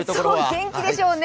元気でしょうね。